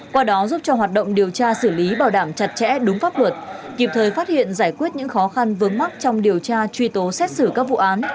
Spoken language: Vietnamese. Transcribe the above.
qua đó giúp cho hoạt động điều tra xử lý bảo đảm chặt chẽ đúng pháp luật kịp thời phát hiện giải quyết những khó khăn vướng mắc trong điều tra truy tố xét xử các vụ án